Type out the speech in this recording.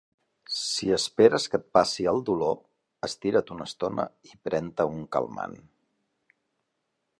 Si esperes que et passi el dolor, estira't una estona i pren-te un calmant.